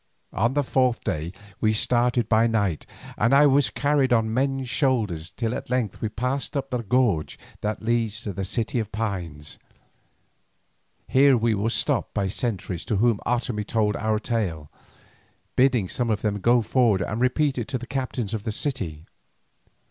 On the fourth day we started by night, and I was carried on men's shoulders till at length we passed up the gorge that leads to the City of Pines. Here we were stopped by sentries to whom Otomie told our tale, bidding some of them go forward and repeat it to the captains of the city.